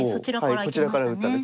こちらから打ったんです。